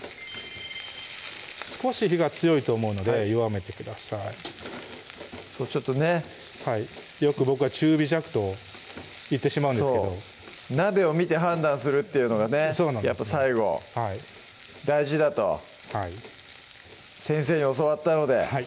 少し火が強いと思うので弱めてくださいそうちょっとねよく僕が「中火弱」と言ってしまうんですけど鍋を見て判断するっていうのがねやっぱ最後大事だと先生に教わったのでは